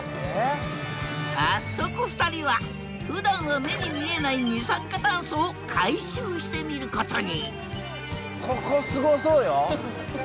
早速２人はふだんは目に見えない二酸化炭素を回収してみることに！